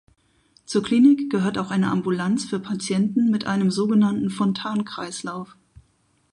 Zur Klinik gehört auch eine Ambulanz für Patienten mit einem sogenannten Fontan-Kreislauf.